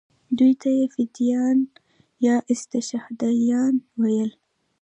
دوی ته یې فدایان یا استشهادیان ویل.